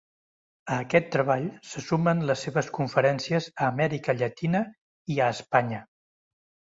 A aquest treball se sumen les seves conferències a Amèrica Llatina i a Espanya.